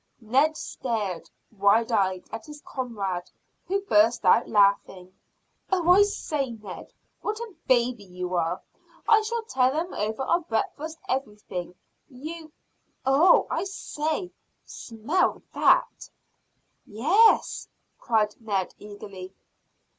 Ned stared wide eyed at his comrade, who burst out laughing. "Oh I say, Ned, what a baby you are! I shall tell them over our breakfast everything you Oh! I say! Smell that?" "Yes," cried Ned eagerly.